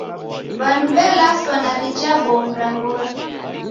W'andu w'elaswa na rija bomu ra mbori.